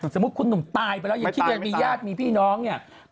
สมมุติคุณหนุ่มตายไปแล้วยังคิดเลยมีญาติมีพี่น้องเนี่ย